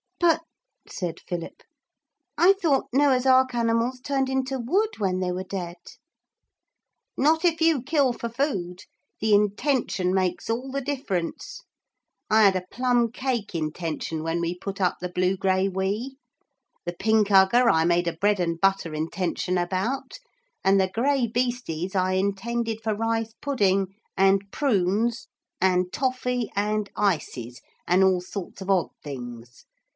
'But,' said Philip, 'I thought Noah's ark animals turned into wood when they were dead?' 'Not if you kill for food. The intention makes all the difference. I had a plum cake intention when we put up the blugraiwee, the pinkugger I made a bread and butter intention about, and the graibeestes I intended for rice pudding and prunes and toffee and ices and all sorts of odd things.